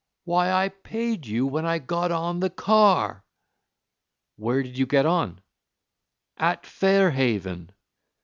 "Why, I paid you when I got on the car." "Where did you get on?" "At Fair Haven."